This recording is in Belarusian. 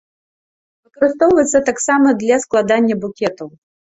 Выкарыстоўваецца таксама для складання букетаў.